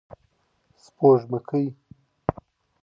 سپوږکۍ